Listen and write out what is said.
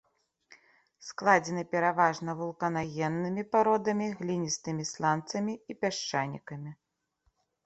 Складзены пераважна вулканагеннымі пародамі, гліністымі сланцамі і пясчанікамі.